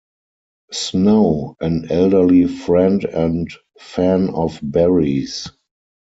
Snow, an elderly friend and fan of Barrie's.